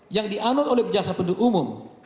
yang dianut oleh jasa penuntut umum